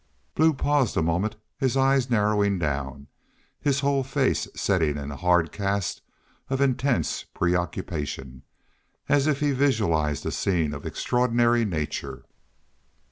Blue paused a moment, his eyes narrowing down, his whole face setting in hard cast of intense preoccupation, as if he visualized a scene of extraordinary nature.